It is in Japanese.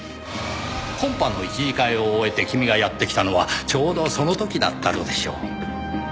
コンパの一次会を終えて君がやって来たのはちょうどその時だったのでしょう。